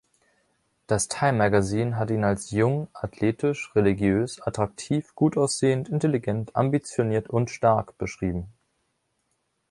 Das Time Magazine hat ihn als „jung, athletisch, religiös, attraktiv, gutaussehend, intelligent, ambitioniert und stark“ beschrieben.